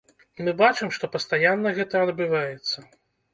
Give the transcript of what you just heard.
Мы бачым, што пастаянна гэта адбываецца.